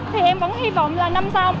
thì em vẫn hy vọng là năm sau